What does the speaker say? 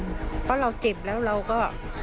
เพราะเราเจ็บแล้วเราก็